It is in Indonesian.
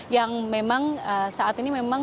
yang memang saat ini memang